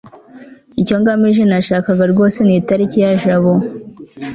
icyo ngamije yashakaga rwose ni itariki na jabo